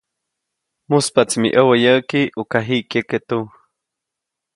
Mujspaʼtsi mi ʼäwä yäʼki ʼuka jiʼ kyeke tu.